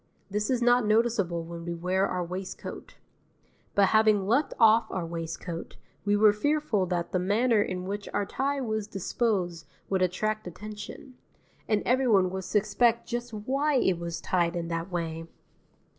This is not noticeable when we wear our waistcoat; but having left off our waistcoat, we were fearful that the manner in which our tie was disposed would attract attention; and everyone would suspect just why it was tied in that way.